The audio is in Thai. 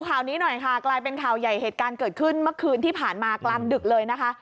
ข่าวนี้หน่อยค่ะกลายเป็นข่าวใหญ่เหตุการณ์เกิดขึ้นเมื่อคืนที่ผ่านมากลางดึกเลยนะคะ